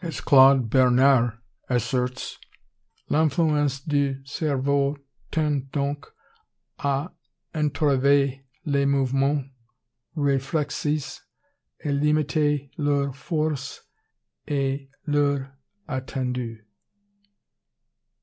As Claude Bernard asserts, "L'influence du cerveau tend donc à entraver les mouvements réflexes, à limiter leur force et leur étendue."